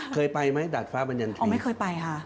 เคยไปไหมดาดฟ้าบรรยันทองไม่เคยไปค่ะ